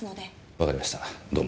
わかりましたどうも。